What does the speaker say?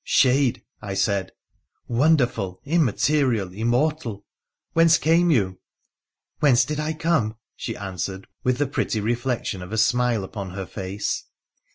' Shade !' I said. ' Wonderful, immaterial, immortal, whence came you ?'' Whence did I come ?' she answered, with the pretty reflection of a smile upon her face.